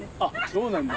そうなんだ。